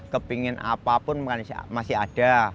kepingin apapun masih ada